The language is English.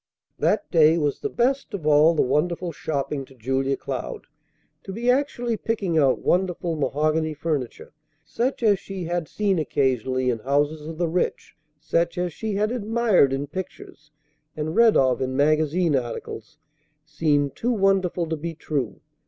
That day was the best of all the wonderful shopping to Julia Cloud. To be actually picking out wonderful mahogany furniture such as she had seen occasionally in houses of the rich, such as she had admired in pictures and read of in magazine articles, seemed too wonderful to be true.